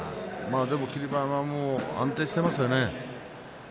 でも霧馬山安定していますよね。